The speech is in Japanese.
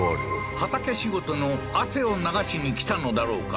畑仕事の汗を流しに来たのだろうか？